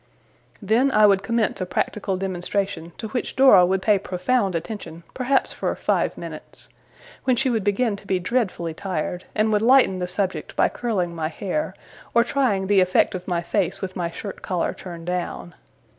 Then I would commence a practical demonstration, to which Dora would pay profound attention, perhaps for five minutes; when she would begin to be dreadfully tired, and would lighten the subject by curling my hair, or trying the effect of my face with my shirt collar turned down.